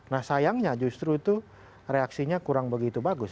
nah sayangnya justru itu reaksinya kurang begitu bagus